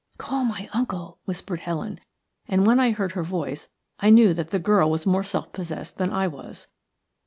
"Call my uncle," whispered Helen, and when I heard her voice I knew that the girl was more self possessed than I was.